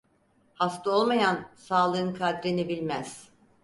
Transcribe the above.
Hasta olmayan, sağlığın kadrini bilmez.